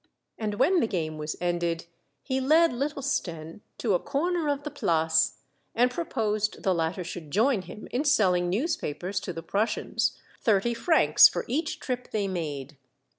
And when the game was ended, he led little Stenne to a corner of the Place, and proposed the latter should join him in selling newspapers to the Prussians, thirty francs for each trip they made.